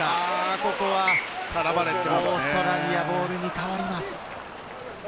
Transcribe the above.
ここはオーストラリアボールに変わります。